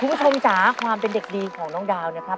จ๋าความเป็นเด็กดีของน้องดาวนะครับ